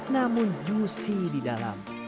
namun juicy di dalam